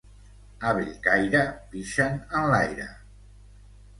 A Bellcaire pixen enlaire.